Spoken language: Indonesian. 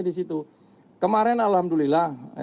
di situ kemarin alhamdulillah